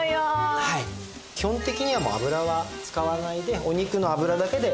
基本的にはもう油は使わないでお肉の脂だけで。